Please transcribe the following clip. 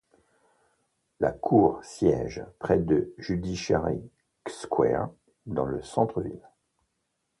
La cour siège près de Judiciary Square dans le centre-ville.